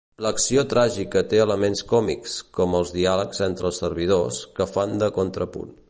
L'acció tràgica té elements còmics, com els diàlegs entre els servidors, que fan de contrapunt.